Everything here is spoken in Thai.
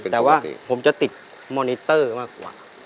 แต่ว่าผมจะติดมอนิเตอร์มากกว่า